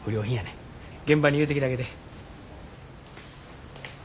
現場に言うてきたげて。